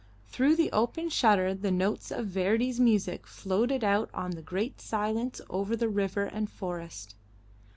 Through the open shutter the notes of Verdi's music floated out on the great silence over the river and forest.